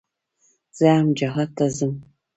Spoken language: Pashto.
زه هم جهاد ته ځم كنه.